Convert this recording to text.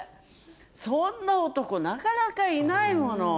そんな男なかなかいないもの。